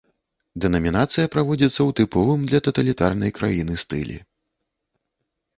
Дэнамінацыя праводзіцца ў тыповым для таталітарнай краіны стылі.